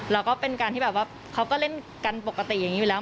แล้วก็เป็นการที่แบบว่าเขาก็เล่นกันปกติอย่างนี้อยู่แล้ว